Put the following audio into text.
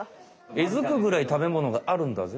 えずくぐらい食べものがあるんだぜ！